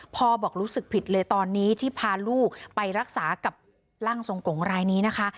บอกรู้สึกผิดเลยตอนนี้ที่พาลูกไปรักษากับร่างทรงกงรายนี้นะคะ